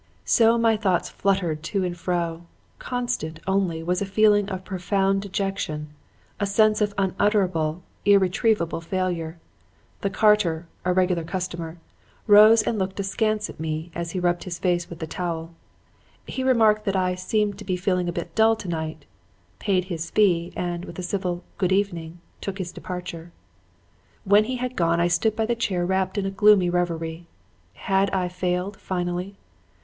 "So my thoughts fluttered to and fro. Constant, only, was a feeling of profound dejection; a sense of unutterable, irretrievable failure. The carter a regular customer rose and looked askance at me as he rubbed his face with the towel. He remarked that I 'seemed to be feeling a bit dull tonight,' paid his fee, and, with a civil 'good evening,' took his departure. "When he had gone I stood by the chair wrapped in a gloomy reverie. Had I failed finally?